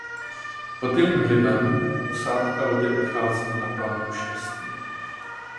Pod jejím vlivem posádka lodě odchází na planetu štěstí.